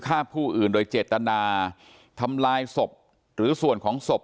ฆ่าผู้อื่นโดยเจตนาทำลายศพหรือส่วนของศพ